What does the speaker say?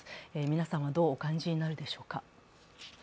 皆さんはどうお感じになるでしょうか。